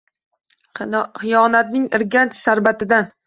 Xiyonatning irganch sharbatin.